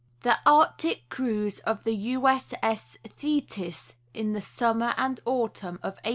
THE ARCTIC CRUISE OF THE U.S. 8S. THETIS IN THE SUMMER AND AUTUMN OF 1889.